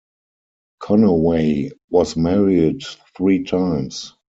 Conaway was married three times.